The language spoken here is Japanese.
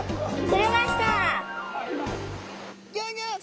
釣れました！